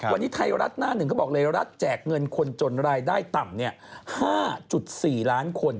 วันนี้ไทยรัฐหน้าหนึ่งเขาบอกเลยรัฐแจกเงินคนจนรายได้ต่ำ๕๔ล้านคน